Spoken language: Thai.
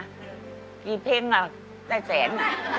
กี่เพลงอ่ะได้แสน